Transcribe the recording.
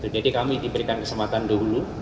jadi kami diberikan kesempatan dulu